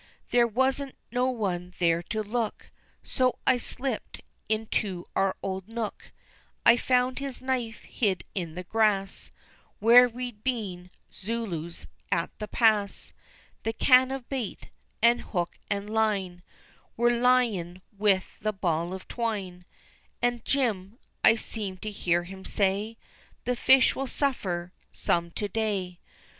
There wasn't no one there to look So I slipped in to our old nook, I found his knife hid in the grass Where we'd been Zulus at the pass, The can of bait, an' hook an' line, Were lyin' with the ball of twine, An' "Jim," I seemed to hear him say, "The fish will suffer some to day!"